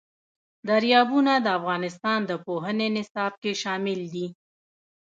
دریابونه د افغانستان د پوهنې نصاب کې شامل دي.